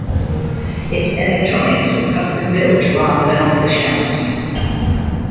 Its electronics were custom built rather than off-the-shelf.